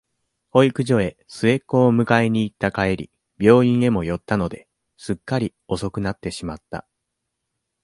保育所へ、末っ子を迎えにいった帰り、病院へも寄ったので、すっかり遅くなってしまった。